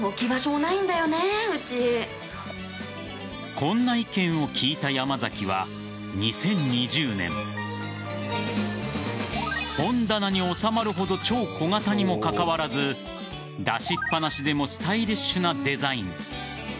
こんな意見を聞いた山崎は２０２０年本棚に収まるほど超小型にもかかわらず出しっ放しでもスタイリッシュなデザイン。